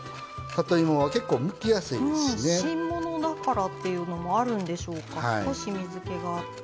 新物だからっていうのもあるんでしょうか少し水けがあって。